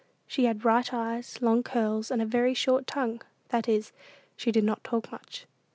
She had bright eyes, long curls, and a very short tongue; that is, she did not talk much.